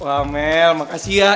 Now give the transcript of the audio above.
wah mel makasih ya